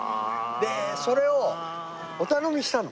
でそれをお頼みしたの。